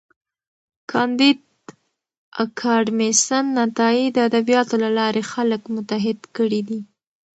کانديد اکاډميسن عطايي د ادبياتو له لارې خلک متحد کړي دي.